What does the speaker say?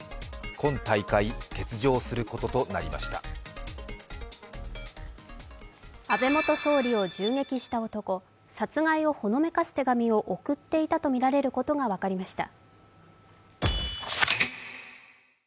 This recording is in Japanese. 今大会、欠場することとなりました安倍元総理を銃撃した男、殺害をほのめかす手紙を送っていたとみられることが分かりました。